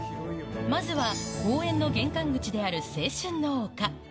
まずは公園の玄関口である青春の丘。